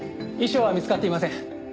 遺書は見つかっていません。